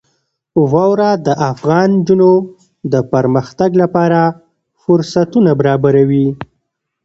واوره د افغان نجونو د پرمختګ لپاره فرصتونه برابروي.